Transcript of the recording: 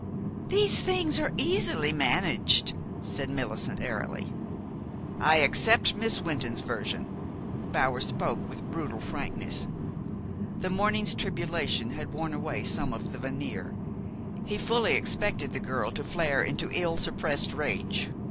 "These things are easily managed," said Millicent airily. "I accept Miss Wynton's version." Bower spoke with brutal frankness. The morning's tribulation had worn away some of the veneer. He fully expected the girl to flare into ill suppressed rage.